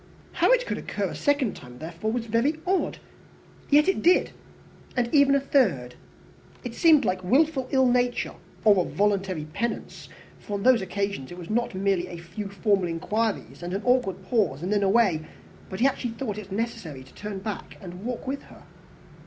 How it could occur a second time, therefore, was very odd! Yet it did, and even the third. It seemed like wilful ill nature, or a voluntary penance; for on these occasions it was not merely a few formal inquiries and an awkward pause and then away, but he actually thought it necessary to turn back and walk with her.